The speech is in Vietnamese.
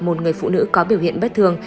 một người phụ nữ có biểu hiện bất thường